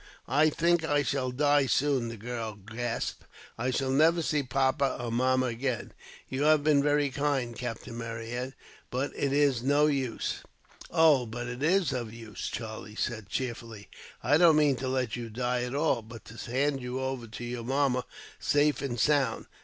"I think I shall die soon," the girl gasped. "I shall never see papa or mamma again. You have been very kind, Captain Marryat, but it is no use." "Oh, but it is of use," Charlie said cheerfully. "I don't mean to let you die at all, but to hand you over to mamma, safe and sound.